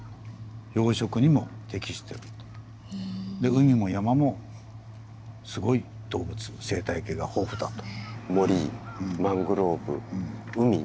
海も山もすごい動物生態系が豊富だと。